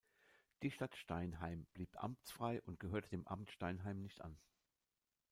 Die Stadt Steinheim blieb amtsfrei und gehörte dem Amt Steinheim nicht an.